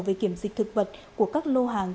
về kiểm dịch thực vật của các lô hàng